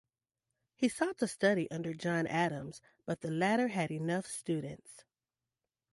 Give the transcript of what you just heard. He sought to study under John Adams, but the latter had enough students.